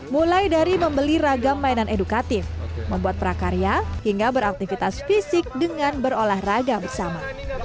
mulai dari membeli ragam mainan edukatif membuat prakarya hingga beraktivitas fisik dengan berolahraga bersama